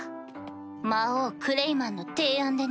魔王クレイマンの提案でね。